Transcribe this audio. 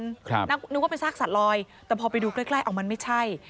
นึกว่าเป็นซากสัตว์ลอยแต่พอไปดูใกล้ใกล้เอามันไม่ใช่